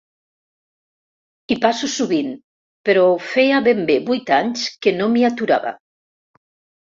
Hi passo sovint, però feia ben bé vuit anys que no m'hi aturava.